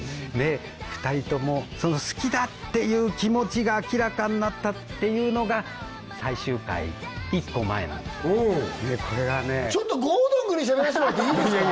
２人ともその好きだっていう気持ちが明らかになったっていうのが最終回１個前なんですこれがねちょっと郷敦君にしゃべらせてもらっていいですか